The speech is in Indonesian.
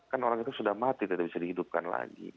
kan orang itu sudah mati tidak bisa dihidupkan lagi